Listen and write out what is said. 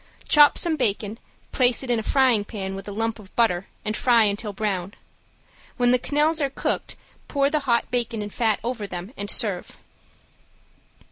Chop some bacon, place it in a frying pan with a lump of butter and fry until brown. When the quenelles are cooked pour the hot bacon and fat over them, and serve.